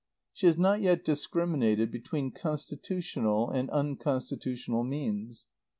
She has not yet discriminated between constitutional and unconstitutional means.